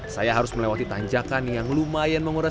saya harus melewati tanjakan yang lumayan menguras